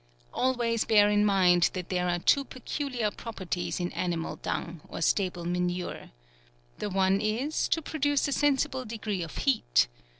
Always bear in mind that there are too peculiar properties in animal dung, or stable manure. The one is, to produce a sensible degree of heat.